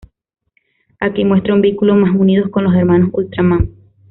Aquí muestra un vínculo más unido con los Hermanos Ultraman.